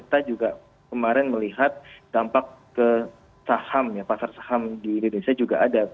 kita juga kemarin melihat dampak ke saham ya pasar saham di indonesia juga ada